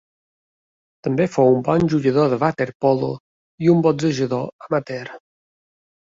També fou un bon jugador de waterpolo i un boxejador amateur.